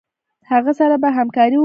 هغه سره به همکاري وکړي.